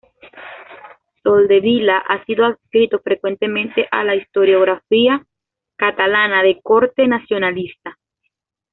Soldevila ha sido adscrito frecuentemente a la historiografía catalana de corte nacionalista.